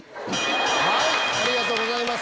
ありがとうございます。